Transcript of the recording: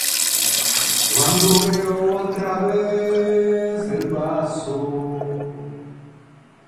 The only anomaly is that Galatians precedes the slightly longer Ephesians.